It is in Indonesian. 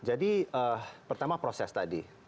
jadi pertama proses tadi